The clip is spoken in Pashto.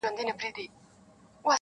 غټ بدن داسي قوي لکه زمری ؤ,